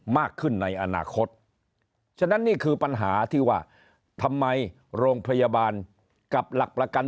มากขึ้นในอนาคตฉะนั้นนี่คือปัญหาที่ว่าทำไมโรงพยาบาลกับหลักประกัน